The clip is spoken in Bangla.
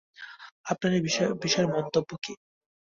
আপনার এই বিষয়ে মন্তব্য কী?